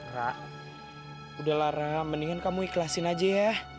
ra udah lara mendingan kamu ikhlasin aja ya